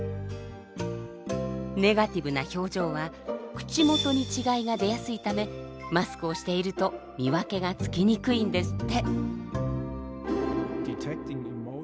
ネガティブな表情は口元に違いが出やすいためマスクをしていると見分けがつきにくいんですって。